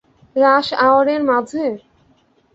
রাশ আওয়ারের মাঝে?